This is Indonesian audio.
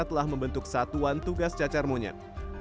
telah membentuk satuan tugas cacar monyet